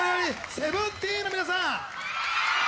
ＳＥＶＥＮＴＥＥＮの皆さん